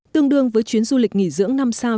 tương đương với chuyến du lịch nghỉ dưỡng năm sao